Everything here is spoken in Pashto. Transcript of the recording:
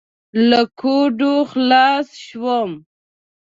له ګوتو خلاص شوم.